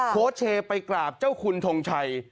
โพสต์เชไปกราบเจ้าคุณทงชัย